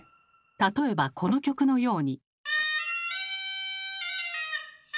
例えばこの曲のように。